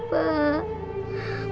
maafin bapak pilih pak